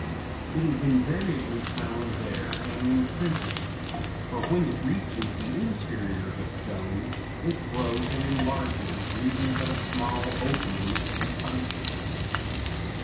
It is invariably found there and imprisoned; for when it reaches the interior of a stone, it grows and enlarges, leaving but a small opening for the siphons.